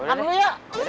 makan dulu ya